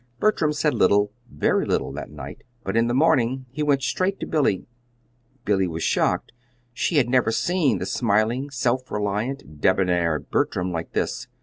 Bertram said little very little, that night; but in the morning he went straight to Billy. Billy was shocked. She had never seen the smiling, self reliant, debonair Bertram like this.